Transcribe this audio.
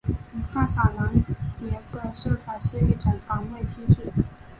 大蓝闪蝶的色彩是一种防卫机制。